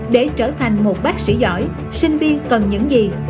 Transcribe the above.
để trở thành một bác sĩ giỏi sinh viên cần những gì